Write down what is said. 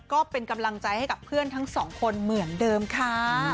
ก็เป็นกำลังใจให้กับเพื่อนทั้งสองคนเหมือนเดิมค่ะ